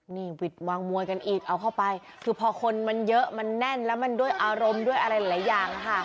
นี่หวิดวางมวยกันอีกเอาเข้าไปคือพอคนมันเยอะมันแน่นแล้วมันด้วยอารมณ์ด้วยอะไรหลายอย่างค่ะ